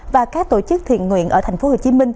và các tổ chức thiện nguyện ở tp hcm